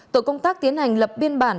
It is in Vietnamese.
tội công tác tiến hành lập biên bản